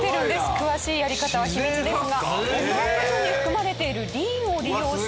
詳しいやり方は秘密ですがおがくずに含まれているリンを利用して自然に。